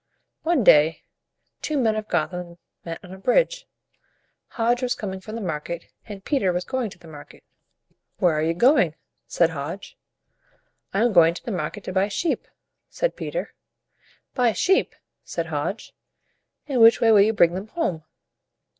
One day two men of Go tham met on a bridge. Hodge was coming from the market, and Peter was going to the market. "Where are you going?" said Hodge. "I am going to the market to buy sheep," said Peter. "Buy sheep?" said Hodge. "And which way will you bring them home?"